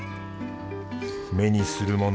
目にするもの